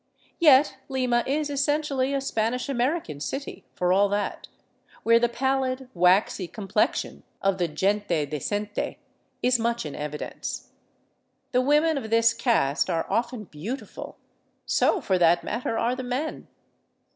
Yet Lima is essentially a Spanish American city, for all that; where the pallid, waxy complexion of the gente decente is much in evidence. The women of this caste are often beau tiful; so, for that matter, are the men.